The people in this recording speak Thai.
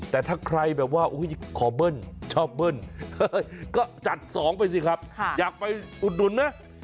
แต่ถ้าใครแบบว่าขอเบิ้ลชอบเบิ้ลก็จัด๒ไปสิครับอยากไปอุดหนุนนะ